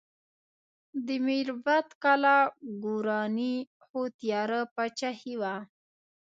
د میربت کلا ګورواني خو تیاره پاچاهي وه.